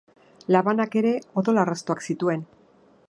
Labanak ere odol arrastoak zituen.